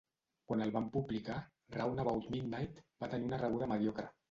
Quan el van publicar, "Round About Midnight" va tenir una rebuda mediocre.